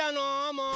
もう！